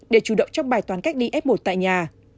để chủ động trong bài toán cách ly f một tại nhà